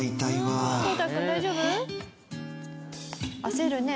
焦るね。